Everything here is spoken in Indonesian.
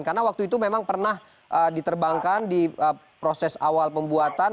karena waktu itu memang pernah diterbangkan di proses awal pembuatan